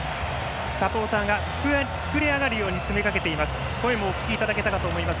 サポーターが膨れ上がるように詰め掛けています。